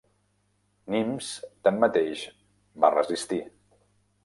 Nimes, tanmateix, va resistir.